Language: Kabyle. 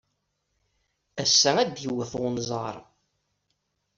Ass-a, ad d-iwet unẓar.